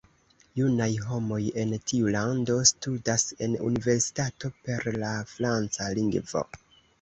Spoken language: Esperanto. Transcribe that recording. Junaj homoj en tiu lando studas en universitato per la franca lingvo.